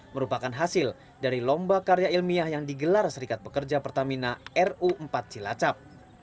merupakan hasil dari lomba karya ilmiah yang digelar serikat pekerja pertamina ru empat cilacap